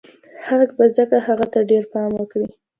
خلک به ځکه هغه ته ډېر پام وکړي